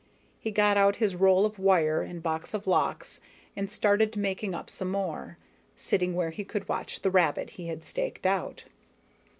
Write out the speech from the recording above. He got out his roll of wire and box of locks and started making up some more, sitting where he could watch the rabbit he had staked out.